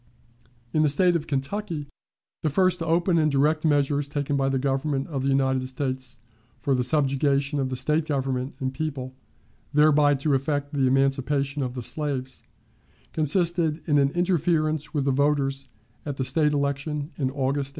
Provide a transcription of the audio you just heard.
In the State of Kentucky, the first open and direct measures taken by the Government of the United States for the subjugation of the State government and people, thereby to effect the emancipation of the slaves, consisted in an interference with the voters at the State election in August, 1863.